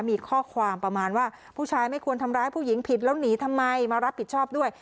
มีข้อความประมาณว่าผู้ชายไม่ควรทำร้ายผู้หญิงผิดแล้วหนีทำไมมารับผิดชอบด้วย